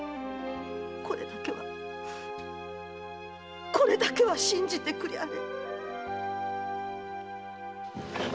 これだけはこれだけは信じてくりゃれ。